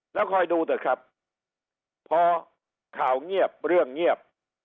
แล้วคอยดูเถอะครับพอข่าวเงียบเรื่องเงียบ